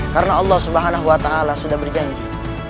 karena allah swt sudah berjanji